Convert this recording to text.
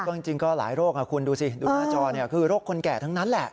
ก็จริงก็หลายโรคคุณดูสิดูหน้าจอคือโรคคนแก่ทั้งนั้นแหละ